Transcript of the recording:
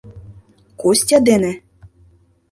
Костя дене?..